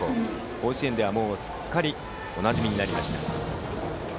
甲子園ではすっかりおなじみになりました。